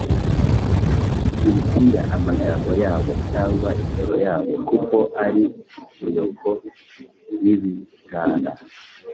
Witinya amagambo yabo cyangwa indoro yabo, kuko ari inyoko y’ibirara